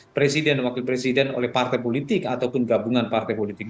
presiden dan wakil presiden oleh partai politik ataupun gabungan partai politik